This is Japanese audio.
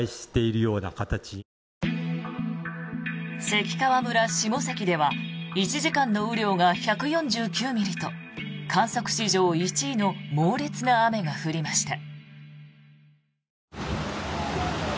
関川村下関では１時間の雨量が１４９ミリと観測史上１位の猛烈な雨が降りました。